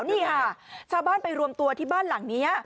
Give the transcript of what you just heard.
นี่ค่ะชาวบ้านไปรวมตัวที่บ้านหลังนี้